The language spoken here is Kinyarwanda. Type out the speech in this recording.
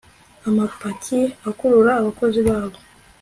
Amapaki akurura abakozi babo